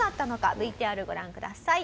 ＶＴＲご覧ください。